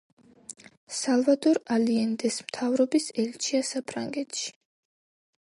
სალვადორ ალიენდეს მთავრობის ელჩია საფრანგეთში.